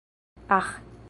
aĥ